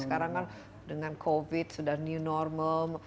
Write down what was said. sekarang kan dengan covid sudah new normal